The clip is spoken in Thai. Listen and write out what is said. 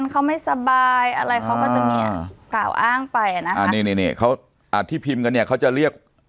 นี่ที่พิมพ์กันเนี่ยเค้าจะเรียก